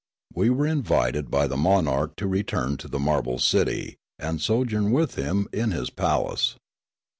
We were invited by the monarch to return to the marble city and so journ with him in his palace.